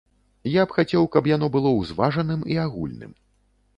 Я б хацеў, каб яно было узважаным і агульным.